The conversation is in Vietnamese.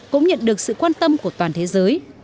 cũng nhận được sự quan tâm của toàn thế giới